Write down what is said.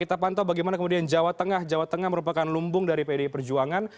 kita pantau bagaimana kemudian jawa tengah jawa tengah merupakan lumbung dari pdi perjuangan